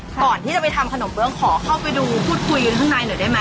ก่อนที่จะไปทำขนมเบื้องขอเข้าไปดูพูดคุยกันข้างในหน่อยได้ไหม